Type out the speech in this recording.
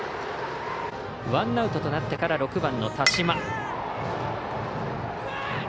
ワンアウトとなってから６番の田嶋。